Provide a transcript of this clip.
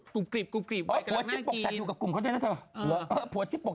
ตกพวก